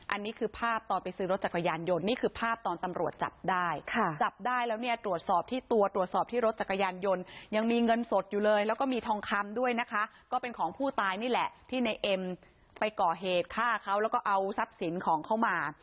อันนี้คือภาพตอนไปซื้อรถจักรยานยนต์นี่คือภาพตอนตำรวจจับได้จับได้แล้วเนี่ยตรวจสอบที่ตัวตรวจสอบที่รถจักรยานยนต์ยังมีเงินสดอยู่เลยแล้วก็มีทองคำด้วยนะคะก็เป็นของผู้ตายนี่แหละที่ในเอ็มไปก่อเหตุฆ่าเขาแล้วก็เอาทรัพย์สินของเขามา